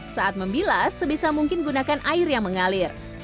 saat membilas sebisa mungkin gunakan air yang mengalir